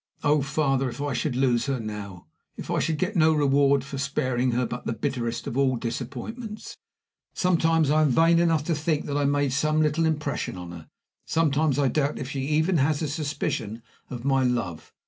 Oh, father, if I should lose her now if I should get no reward for sparing her but the bitterest of all disappointments! Sometimes I am vain enough to think that I made some little impression on her; sometimes I doubt if she has a suspicion of my love.